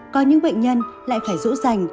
có những bệnh nhân lại phải rũ rành